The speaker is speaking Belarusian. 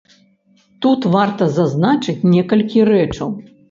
Тут варта зазначыць некалькі рэчаў.